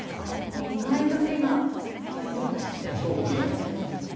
意外と手が手っ取り早くて効果的なんですね。